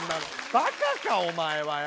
バカかお前はよ。